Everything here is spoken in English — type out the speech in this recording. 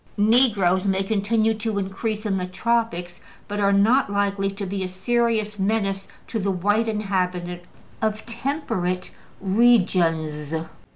Negroes may continue to increase in the tropics, but are not likely to be a serious menace to the white inhabitants of temperate regions.